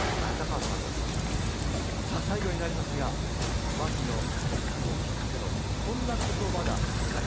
最後になりますが牧野富太郎博士のこんな言葉がございます。